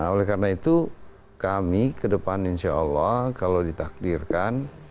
oleh karena itu kami ke depan insya allah kalau ditakdirkan